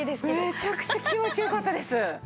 めちゃくちゃ気持ちよかったです。